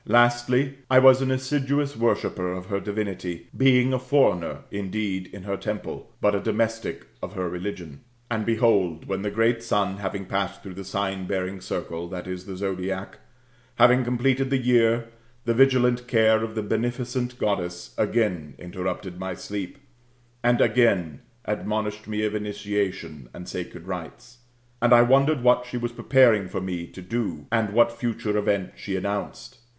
Lastly, I was an assiduous worshipper of her divinity, being a foreigner indeed in her temple, but a domestic of her religion.'* And behold, when the great Sun having passed through the sign bearing circle [ie. the sodiac], had completed the year, the vigilant care of the t)eneficent Goddess again interrupted my sleep, and again admonished me of initiation and sacred rites, ^d I wondered what she was preparing for me to do, and what future event she announced.